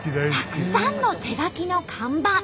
たくさんの手書きの看板。